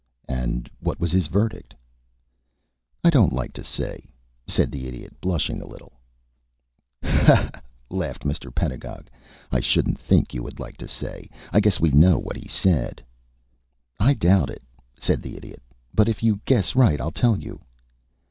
"And what was his verdict?" "I don't like to say," said the Idiot, blushing a little. "Ha! ha!" laughed Mr. Pedagog. "I shouldn't think you would like to say. I guess we know what he said." "I doubt it," said the Idiot; "but if you guess right, I'll tell you."